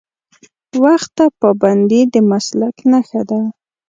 وخت ته پابندي د مسلک نښه ده.